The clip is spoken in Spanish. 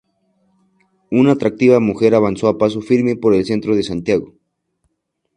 Una atractiva mujer avanza a paso firme por el centro de Santiago.